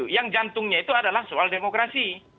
yang jantungnya itu adalah soal demokrasi